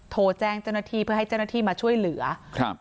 โทรแจ้งเจ้าหน้าที่เพื่อให้เจ้าหน้าที่มาช่วยเหลือครับ